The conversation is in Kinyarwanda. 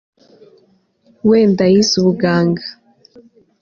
wenda yize ubuganga